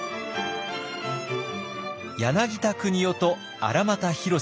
柳田国男と荒俣宏さん。